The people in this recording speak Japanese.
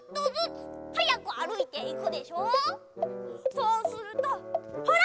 そうするとほら！